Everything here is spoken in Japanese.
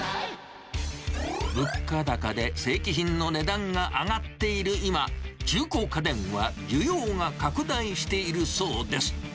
物価高で正規品の値段が上がっている今、中古家電は需要が拡大しているそうです。